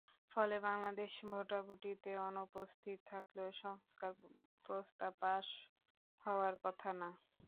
ফলে বাংলাদেশ ভোটাভুটিতে অনুপস্থিত থাকলেও সংস্কার প্রস্তাব পাস হওয়ার কথা না।